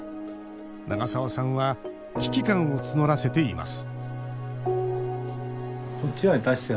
長澤さんは危機感を募らせています